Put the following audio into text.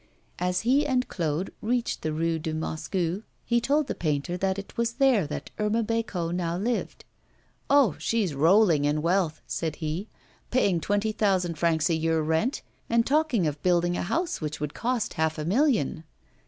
As he and Claude reached the Rue de Moscou, he told the painter that it was there that Irma Bécot now lived. 'Oh! she is rolling in wealth,' said he, 'paying twenty thousand francs a year rent and talking of building a house which would cost half a million.